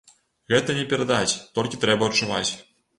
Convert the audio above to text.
Гэта не перадаць, толькі трэба адчуваць.